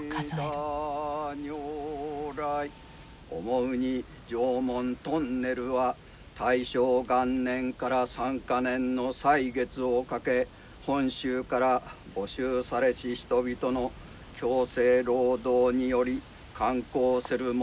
思うに常紋トンネルは大正元年から３か年の歳月をかけ本州から募集されし人々の強制労働により完工するものなり。